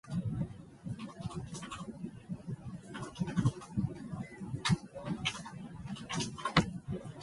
The Empress caused a scandal by taking the "protosebastos" Alexios Komnenos as a lover.